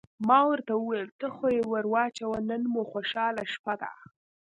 ما ورته وویل: ته خو یې ور واچوه، نن مو خوشحاله شپه ده.